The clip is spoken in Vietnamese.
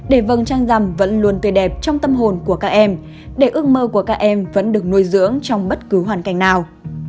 để vầng trăng rằm vẫn luôn tươi đẹp trong tâm hồn của các em để ước mơ của các em vẫn được nuôi dưỡng trong bất cứ hoàn cảnh nào